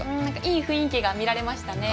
いい雰囲気が見られましたね。